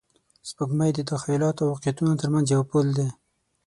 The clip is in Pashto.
سپوږمۍ د تخیلاتو او واقعیتونو تر منځ یو پل دی